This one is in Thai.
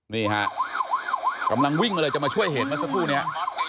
นี่ฮะกำลังวิ่งมาเลยจะมาช่วยเห็นเมื่อสักครู่นี้